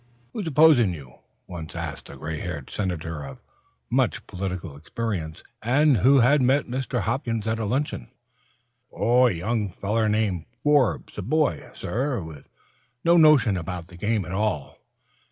"Who is opposing you?" once asked a gray haired Senator of much political experience, who had met Mr. Hopkins at luncheon. "Young feller named Forbes a boy, sir with no notion about the game at all.